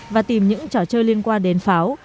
và tìm những trò chơi liên quan đến pháo